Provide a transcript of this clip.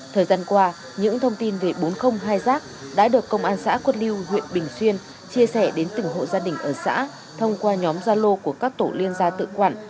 thời gian qua những thông tin về bốn trăm linh hai giác đã được công an xã quất liêu huyện bình xuyên chia sẻ đến từng hộ gia đình ở xã thông qua nhóm gia lô của các tổ liên gia tự quản